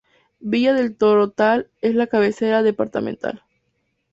Villa del Totoral es la cabecera departamental.